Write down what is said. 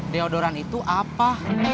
deodoran itu apa